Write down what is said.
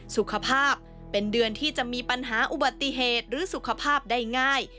สุขภาพเป็นเดือนที่จะมีปัญหาอุบัติเหตุหรือสุขภาพได้ง่าย